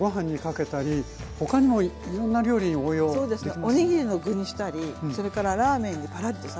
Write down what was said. おにぎりの具にしたりそれからラーメンにパラリと最後かけたり。